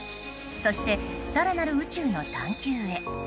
そして更なる宇宙の探求へ。